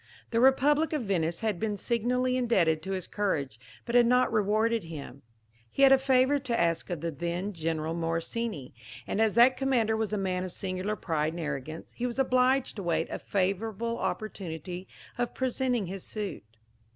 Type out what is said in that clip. The republic of Venice had been signally indebted to his courage, but had not rewarded him. He had a favour to ask of the then General Morosini; and as that commander was a man of singular pride and arrogance, he was obliged to wait a favourable opportunity of presenting his suit.